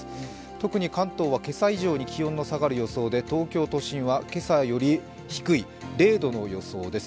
特に関東は今朝以上に気温の下がる予想で東京都心は今朝より低い０度の予想です。